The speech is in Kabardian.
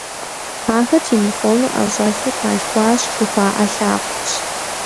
Ахэр «телефоныр ӀэщӀэлъу къалъхуащ» жыхуаӀэ лӀакъуэщ.